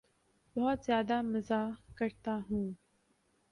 بہت زیادہ مزاح کرتا ہوں